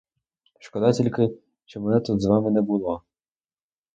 Шкода тільки, що мене тут з вами не було.